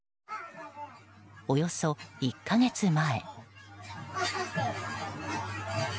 およそ１か月前。